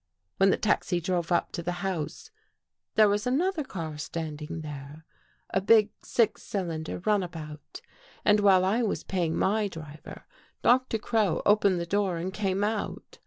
When the taxi drove up to the house, there was another car standing there — a big, six cylinder runabout, and while I was pay ing my driver. Doctor Crow opened the door and came out.